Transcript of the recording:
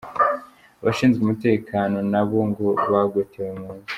Abashinzwe umutekano nabo ngo bagotewe mu nzu.